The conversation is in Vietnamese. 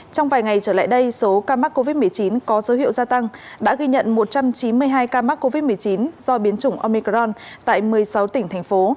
trong vài ngày trở lại đây số ca mắc covid một mươi chín có dấu hiệu gia tăng đã ghi nhận một trăm chín mươi hai ca mắc covid một mươi chín do biến chủng omicron tại một mươi sáu tỉnh thành phố